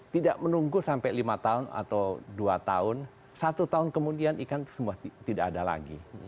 tidak menunggu sampai lima tahun atau dua tahun satu tahun kemudian ikan itu semua tidak ada lagi